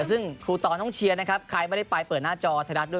ซึ่งครูตองต้องเชียร์นะครับใครไม่ได้ไปเปิดหน้าจอไทยรัฐด้วย